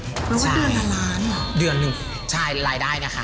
รู้ว่าเดือนหนึ่งล้านเหรอเดือนหนึ่งใช่รายได้นะคะ